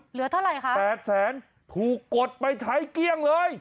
เหลือเท่าไหร่คะ๘แสนถูกกดไปใช้เกลี้ยงเลย